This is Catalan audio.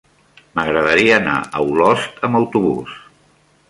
M'agradaria anar a Olost amb autobús.